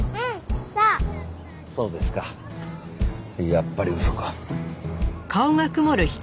やっぱり嘘か。